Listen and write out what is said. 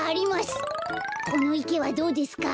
このいけはどうですか？